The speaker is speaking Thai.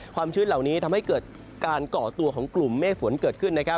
ชื้นเหล่านี้ทำให้เกิดการก่อตัวของกลุ่มเมฆฝนเกิดขึ้น